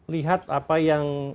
lihat apa yang